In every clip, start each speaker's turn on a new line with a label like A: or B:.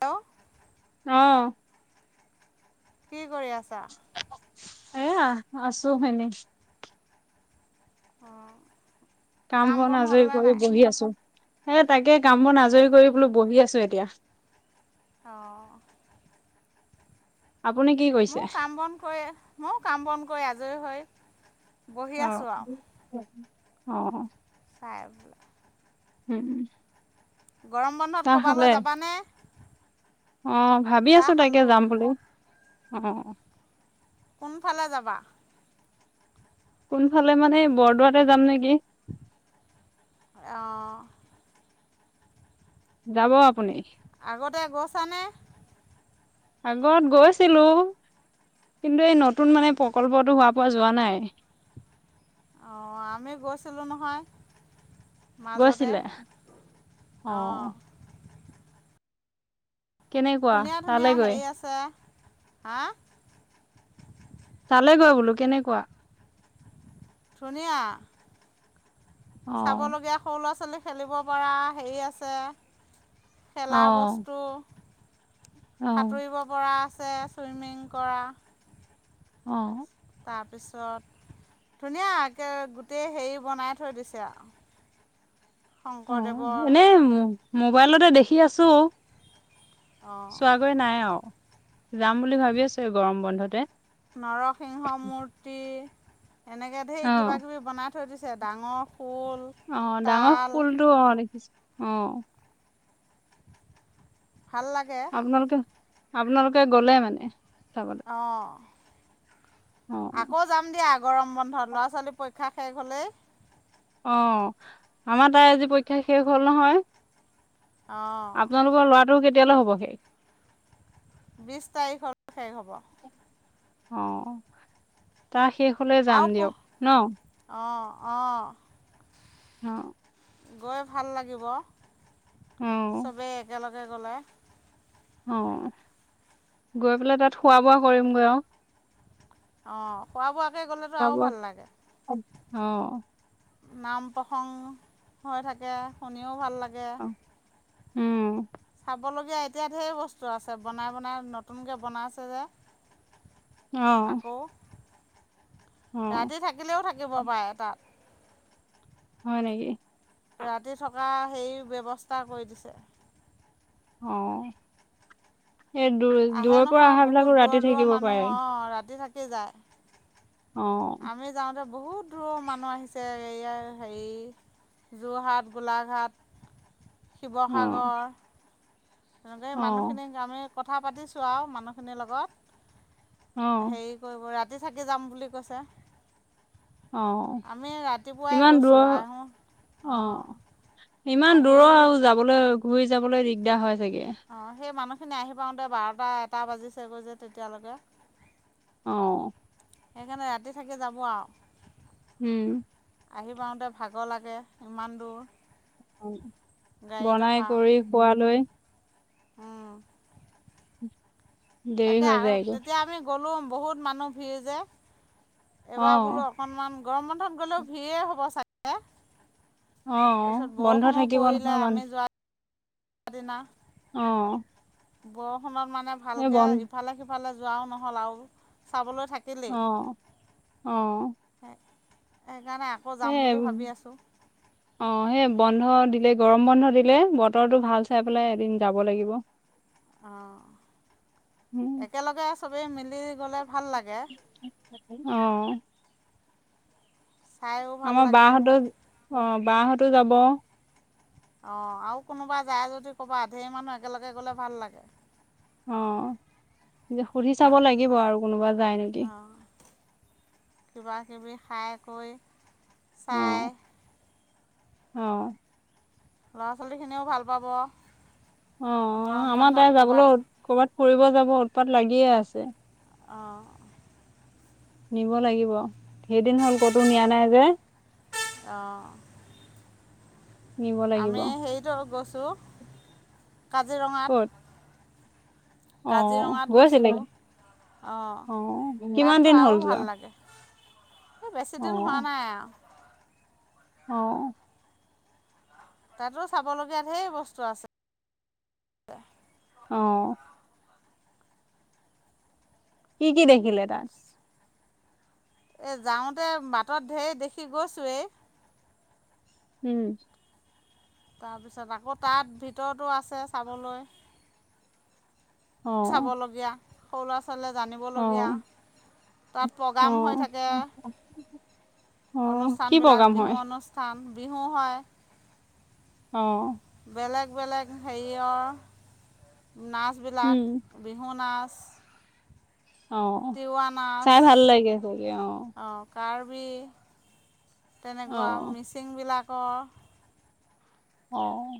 A: ত [unintelligible]
B: আহ
A: কি কৰি আছা
B: এয়া আছো এনে
A: অ
B: কাম বন আজৰি কৰি বহি আছো সেই তাকে কাম বন আজৰি কৰি বোলো বহি আছো। এতিয়া
A: অঁ
B: আপুনি কি কৰিছে
A: মোৰ কাম বন কৰি ময়ো কাম বন কৰি আজৰি হৈ বহি
B: অ
A: আছোঁ আৰু
B: অ
A: খাই আছো
B: উম উম
A: গৰম বন্ধত
B: চাহ খালে
A: ক'ৰবালৈ যাবানে
B: অ ভাবি
A: চাহ
B: আছো তাকে
A: খালোঁ।
B: যাম বুলি অ
A: কোনফালে যাবা
B: কোনফালে মানে বৰদোৱাতে যাম নেকি?
A: অঁ
B: যাব আপুনি
A: আগতে গৈছা নে
B: আগত গৈছিলো কিন্তু এই নতুন মানে প্ৰকল্পটো হোৱা পৰা যোৱা নাই
A: অ আমি গৈছিলোঁ নহয় মাজতে।
B: গৈছিলে
A: অঁ
B: আহ কেনেকুৱা
A: ধুনীয়া ধুনীয়া
B: তালেগৈ
A: হেৰি আছে হা
B: চালেগৈ বোলো কেনেকুৱা
A: ধুনিয়া
B: অ
A: চাব লগগীয়া সৰু ল' ছোৱলী খেলিব পৰা হেৰি আছে।
B: অ
A: খেলা বস্তু
B: অ
A: সাঁতুৰিব পৰা তে ছুইমিং কৰা
B: অ
A: তাৰপিছত ধুনীয়া একে গোটেই হেৰি বনাই থৈ দিছে আৰু
B: অ',
A: শংকৰদেৱৰ
B: এনেই মোবাইলতে দেখি আছো
A: অঁ
B: চোৱাগৈ নাই আৰু যাম বুলি ভাবি আছো গৰম বন্ধতে
A: নৰসিংহ মূৰ্তি এনেকে ধেই কিবা
B: অ',
A: কিবি বনাই থৈ দিছে ডাঙৰ শোল
B: অ ডাঙৰ
A: তাল
B: খুল টো অ দেখিছো অ
A: ভাল লাগে
B: আপোনালোকে আপোনালোকে গলে মানে চাবলৈ
A: অহ
B: অ',
A: আকৌ যাম দিয়া গৰম বন্ধত ল'ৰা ছোৱালী পৰী- ক্ষা শেষ হ'লে
B: অ আমাৰ তাই আজি পৰীক্ষা শেষ হ'ল নহয়
A: অঁ
B: আপোনালোকৰ ল'ৰাটো কে- তেতিয়ালে হ'ব শেষ
A: বিছ তাৰিখৰ শেষ হ'ব
B: অ তাৰ শেষ হ'লে যাম
A: আৰু
B: দিয়ক ন
A: অঁ অঁ
B: অ
A: গৈ ভাল লাগিব
B: অ',
A: চবেই একেলগে লে গ'লে
B: অ গৈ পেলাই তাত খোৱা বোৱা কৰিমগৈ আও
A: অ খোৱা বোৱাকে গলেতো
B: খোৱা
A: আৰু
B: বোৱা
A: ভাল লাগে
B: অ',
A: নাম প্ৰসংগ হৈ থাকে শুনিও ভাল লাগে
B: অ',
A: গে
B: উম,
A: বলগীয়া এতিয়া ঢেৰ বস্তু আছে বনাই বনাই নতুনকৈ বনাইছে যে
B: আহ
A: আকৌ ৰাতি থাকিলেও থাকিব
B: অ'।
A: পাৰে তাত
B: হয় নেকি?
A: ৰাতি থকা সেই ব্যৱস্থা কৰি দিছে।
B: অহ সেই দূ
A: আহে
B: দূৰ পৰা
A: নহয়
B: অহা
A: বহুত
B: বিলাকো
A: দূৰৰ
B: ৰাতি
A: দূৰৰ
B: থাকিব
A: মানুহ
B: পাৰে।
A: অঁ ৰাতি থাকি জাই
B: অ',
A: আমি যাওতে বহুত দূৰৰ মানুহ আহিছে এইয়া হেৰি যোৰহাট, গোলাঘাট
B: অ',
A: শিৱসাগৰ তেনেকে
B: অ',
A: মানুহখিনিক আমি কথা পাতিছোঁ আৰু মানুহখিনিৰ লগত
B: অ',
A: হেৰি কৰিব ৰাতি থাকি যাম বুলি কৈছে।
B: অ
A: আমি ৰাতিপুৱাই
B: ইমান
A: গৈছোঁ
B: দূৰৰ
A: আহোঁ
B: অ
A: অঁ
B: ইমান
A: আহি
B: দূৰৰ আৰু যাবলৈ ঘূৰি যাবলৈ দিগদাৰ হয় চাগে।
A: অ সেই মানুহ সেই খিনি আহি পাওতে বাৰটা এটা বাজিছেগৈ যে তেতিয়ালৈকে
B: অ
A: সেইকাৰণে ৰাতি থাকি যাব আৰু
B: উম
A: আহি পাওঁতে ভাগৰ লাগে ইমান দূৰ গাড়ীত অহা
B: বনাই কৰি শুৱা লৈ দেৰি
A: তাকে
B: হৈ
A: আৰু
B: যায়গৈ।
A: তেতিয়া আমি গ'লোম বহুত মানুহ ভিৰ যে এইবাৰ বোলো
B: অ',
A: অকনমান গৰম বন্ধত গ'লেও ভিৰেই হ'ব চাগে
B: অ
A: তাৰপিছত
B: বন্ধ থাকিব নহয় মানুহ
A: সেইদিনা
B: অহ
A: ব সময়ত মানে ভালকে ইফালে সিফালে যোৱাও নহ'ল আৰু চাবলৈ থাকিলেই
B: অহ অহ
A: সেইকাৰণে আকৌ যাম
B: সেই
A: বুলি ভাবি আছোঁ
B: অ সেই বন্ধ দি দিলে, গৰম বন্ধ দিলে, বতৰটো ভাল চাই পেলাই এদিন যাব লাগিব।
A: অহ,
B: উম।
A: একেলগে আছে সবে মিল গলে ভাল লাগে।
B: অ
A: চাইও ভাল
B: আমাৰ
A: লাগে
B: বহঁতৰ, অহ। বহতো যাব।
A: অহ আৰু কোনোবা যায় যদি কবা, ঢেৰ মানুহ একেলগে গলে ভাল লাগে।
B: অহ, সুধি চাব
A: তাত
B: লাগিব আৰু কোনোবা যায় নেকি।
A: অঁ খাইকৈ চাই।
B: অহ।
A: ল'ৰা ছোৱালীখিনিও ভাল পাব।
B: অহ,
A: গৰম
B: আমাৰ
A: বন্ধত
B: তাই
A: ক'ৰবাত
B: যাবলৈও কৰ'বাত ফুৰিব যাব উৎপাত লাগিয়ে আছে।
A: অহ।
B: নিব লাগিব। সেইদিন হ'ল ক'তো নিয়া নাই যে।
A: অঁ
B: নিব লাগিব
A: আমি সেইত গছ চো কাজিৰঙাত।
B: অহ,
A: কাজিৰঙাত
B: গৈছিল
A: গৈছিলোঁ
B: নেকি?
A: অঁ
B: অহ, কিমান
A: তাততো
B: দিন
A: আৰু
B: হ'ল
A: ভাল
B: যোৱা?
A: লাগে এই বেছি
B: অ
A: দিন হোৱা নাই আৰু।
B: অহ।
A: তাতো চাবলগীয়া ঢেৰ বস্তু আছে।
B: অহ কি-কি দেখিলে তাত?
A: এ যাওঁতে বাটত ঢেৰ দেখি গৈছোৱেই।
B: উম।
A: তাৰপিছত আকৌ তাত ভিতৰতো আছে চাবলৈ।
B: অ
A: চাবলগীয়া। সৰু লৰা চো
B: অ
A: জানিবলগীয়া। তাত
B: অ
A: প্ৰগ্ৰাম হৈ থাকে,
B: অ কি
A: অনুষ্ঠানবিলাক
B: প্ৰগ্ৰাম
A: বিহু
B: হয়
A: অনুষ্ঠান। বিহু হয়।
B: অহ।
A: বেলেগ-বেলেগ হেৰিয়ৰ। নাচবিলাক,
B: উম
A: বিহু নাচ।
B: অ
A: তিৱা নাচ
B: চাই ভাল লাগে চাগে অ
A: অঁ কাৰ্বি
B: অ
A: তেনেকুৱা মিচিং বিলাক অঁ
B: অঁ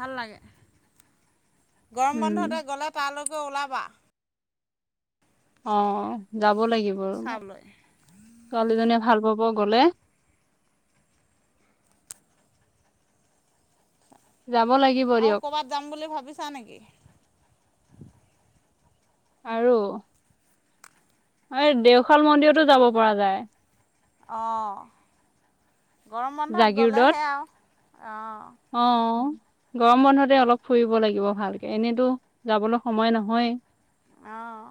A: ভাল লাগে গৰম
B: উম
A: বন্ধতে গ'লে তালৈক কে উলাবা
B: অঁ যাব লাগিব
A: চাবলৈ
B: ছোৱালীজনী ভাল পাব গ'লে যাব লাগিব
A: আৰু
B: দিয়ক
A: ক'ৰবাত যাম বুলি ভাবিছা নেকি
B: আৰু এই দেওশাল মন্দিৰতো যাব পৰা যায়
A: অঁ গৰম বন্ধত গ'লেহে আও
B: অঁ গৰম বন্ধতে অলপ ফুৰিব লাগিব ভালকে এনেতো যাবলৈ সময় নহয়েই
A: অহ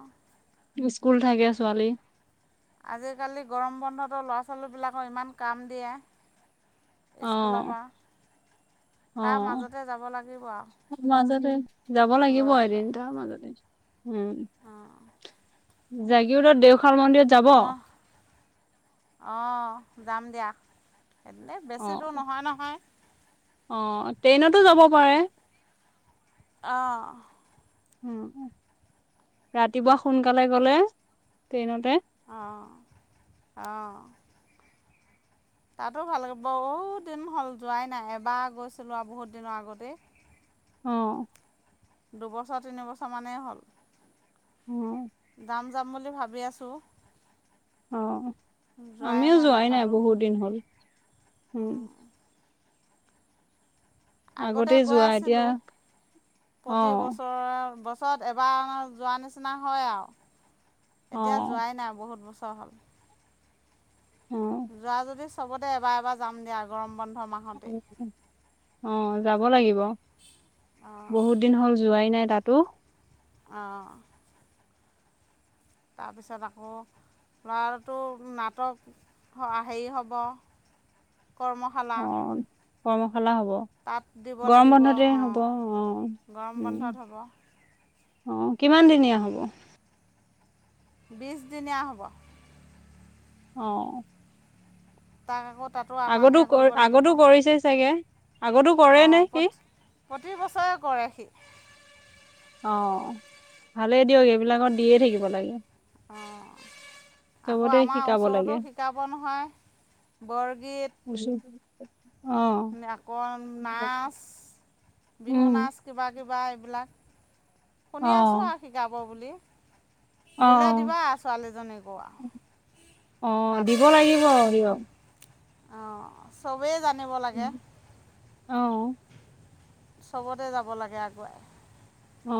B: স্কুল থাকে ছোৱালী
A: আজিকালি গৰম বন্ধতো ল'ৰা ছোৱালীবিলাকক ইমান কাম দিয়ে স্কুলৰ
B: অঁ
A: পৰা
B: অ
A: তাৰ মাজতে যাব লাগিব আৰু
B: মাজতে যাব
A: লৈ
B: লাগিব এদিন
A: পেলাই
B: ত মাজতে উম
A: অঁ
B: জাগীৰোডত দেওশাল শাল মন্দিৰত যাব
A: মই অঁ যাম দিয়া সেননে বেছি দূৰ নহয় নহয়
B: অঁ ট্ৰেইনতো যাব পাৰে
A: অহ
B: উম ৰাতিপুৱা সোনকালে গলে ট্ৰেইনতে
A: অঁ অঁ তাতো ভালাগে বহুত দিন হ'ল যোৱাই নাই এবাৰ গৈছিলোঁ আৰু বহুত দিনৰ আগতেই
B: অহ
A: দুবছৰ তিনিবছৰমানেই
B: অ
A: হ'ল দাম যাম বুলি ভাবি আছো
B: অঁ আমিও যোৱাই নাই
A: তাতো
B: বহুত দিন হ'ল উম
A: আগতে
B: আগতেই
A: গৈ
B: যোৱা এতিয়া
A: আছিলো
B: অ
A: প্ৰতি বছৰ বছ ওচৰত এবাৰ যোৱা নিচিনা হয় আৰু
B: অ
A: এতিয়া যোৱাই নাই বহুত বছৰ-
B: অ
A: যোৱা যদি চবতে এবাৰ এবাৰ যাম দিয়া গৰম বন্ধ ছমাহত
B: অ যাব লাগিব।
A: অঁ
B: বহুত দিন হ'ল যোৱাই নাই। তাটো।
A: আহ তাৰপিছত আকৌ ল'ৰাটো নাটক হেৰি হ'ব। কৰ্মশলা।
B: কৰ্ম। ভালে হ'ব গৰম বন্ধতে
A: অঁ
B: হ'ব অ।
A: গৰম বন্ধত হ'ব
B: অ কিমান দিনিয়া হ'ব।
A: বিছদিনীয়া হ'ব।
B: অ
A: তাক আকত।
B: আগতো কৰি আগতো কৰিছে চাগে। আগতো কৰে
A: অ
B: নে সি
A: প্ৰতি প্ৰতিবছৰে কৰে সি।
B: অ ভালেই দিয়ক এইবিলাকত দিয়ে থাকিব লাগে।
A: অ আকৌ
B: চবতে
A: আমাৰ
B: শিকাব
A: ওচৰতো শিকাব নহয়
B: লাগে অ',
A: বৰগীত। আকৌ নাচ বিহু
B: উম,
A: নাচ কিবা কিবা? ইবিলাক। শুনি আছোঁ
B: অ',
A: আৰু শিকাব বুলি। দিলে
B: অ', অ',
A: দিবা ছোৱালীজনীকো।
B: অ দিব লাগিব দিয়ক।
A: অ চব- সবেই জানিব লাগে।
B: অ',
A: চবতে যাব লাগে আগুৱাই।
B: অ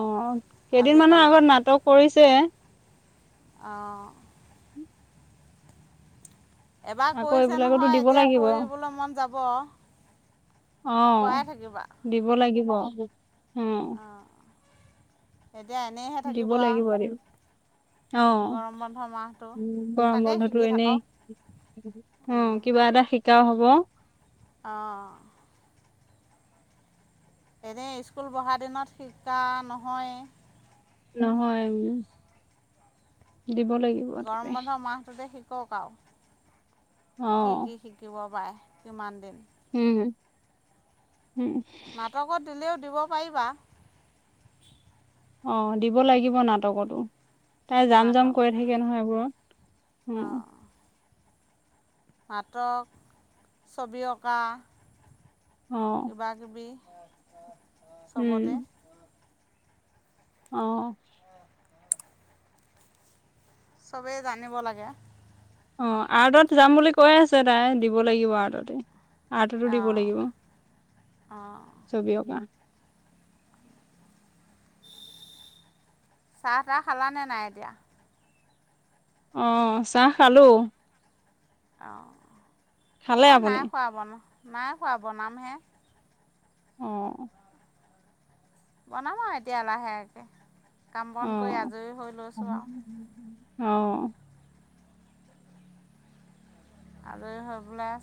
B: কেইদিনমানৰ
A: আজিকালি
B: আগত নাটক কৰিছে।
A: অহ এবাৰ
B: আকৌ
A: কৰিছে
B: এইবিলাকতো
A: নহয়
B: দিব
A: এতিয়া
B: লাগিব।
A: কৰিবলৈ মন যাব।
B: অ
A: কৰাই
B: দিব লাগিব। গুৱাহাটীত উম।
A: অ
B: দিব লাগিব এনেও অ
A: গৰম বন্ধ মাহটো
B: গৰম
A: তাকেই
B: বন্ধটো
A: শিকি
B: এনেই
A: থাকক
B: অ কিবা এটা শিকাও হব
A: অঁ এনেই স্কুল পঢ়া দিনত শিক্ষা নহয়
B: নহয় দিব লাগিব এনেকেই
A: কক আও কি কি শিকিব পাৰে কিমান দিন
B: হম
A: নাটকত দিলেও দিব পাৰিবা
B: অ দিব লাগিব নাটকতো তাই জাম জাম
A: নাটক
B: কৰি থাকে নহয় এইবোৰত উ
A: অঁ নাটক ছবি অঁকা
B: অ'।
A: কিবা কিবি চবতে
B: অহ
A: চবেই জানিব লাগে
B: অঁ আৰ্টত যাম বুলি কৈ আছে তাই দিব লাগিব আৰ্টতে আৰ্টটো দিব
A: অঁ
B: লাগিব
A: অঁ
B: ছবি অঁকা
A: চাহ তাহ খালা নে নাই এতিয়া
B: অহ চাহ খালো
A: অহ
B: খালে
A: মই
B: আপুনি
A: নাই খোৱা বনা নাই খোৱা বনামহে
B: অ
A: বনাম আৰু এতিয়া লাহেকে কাম
B: অ
A: বন কৰি আজৰি হৈ লৈছোঁ আৰু
B: অ
A: আজৰি হৈ পেলাই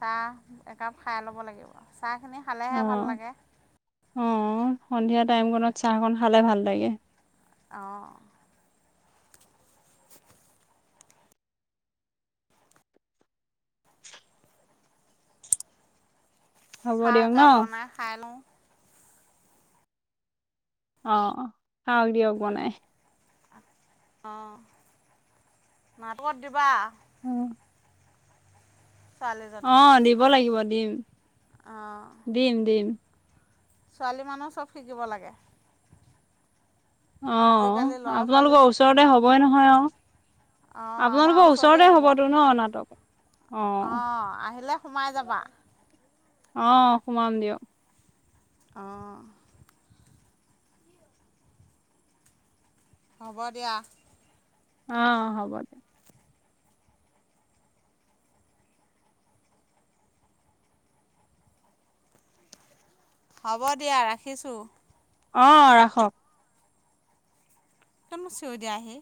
A: চাহ একাপ খাই ল'ব লাগিব চাহখিনি
B: অ
A: খালেহে ভাল লাগে
B: অ সন্ধিয়া টাইম কনত চাহ অকন খালে ভাল লাগে
A: অ
B: হ'ব
A: চাহ
B: দিয়ক ন
A: একাপ বনাই খাই লওঁ
B: অ খাওঁক দিয়ক বনাই
A: অ নাটকত দিবা ছোৱালীজনী
B: অ দিব লাগিব দিম।
A: অঁ
B: দিম-দিম।
A: ছোৱালী মানুহ চব শিকিব লাগে।
B: অ
A: আজিকালি ল'ৰা ছোৱালী
B: আপোনালোকৰ
A: চব
B: ওচৰতে
A: সমান
B: হবই নহয়
A: চ--অহ,
B: অ
A: আমাৰ
B: আপোনালোকৰ
A: ওচৰতে হ'ব। অহ,
B: হ'বতো ন নাটক অ
A: আহিলে সোমাই যাবা।
B: অহ, সোমমান দিয়ক।
A: অহ। হ'ব দিয়া।
B: অহ, হ'ব দিয়ক।
A: হ'ব দিয়া ৰাখিছোঁ।
B: অহ ৰাখক।
A: তুমি চিঞৰি দিয়া আহি।